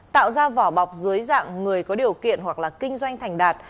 tạo ra vỏ bọc dưới dạng người có điều kiện hoặc là kinh doanh thành đạt